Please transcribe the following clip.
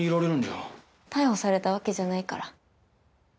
逮捕されたわけじゃないから。